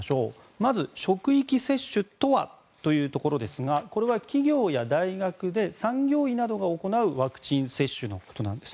まず職域接種とはというところですがこれは企業や大学で産業医などが行うワクチン接種のことです。